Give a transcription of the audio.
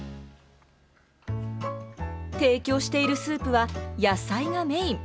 提供しているスープは野菜がメイン。